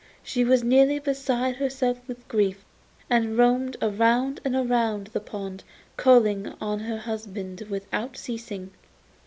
She was nearly beside herself with grief, and roamed round and round the pond calling on her husband without ceasing.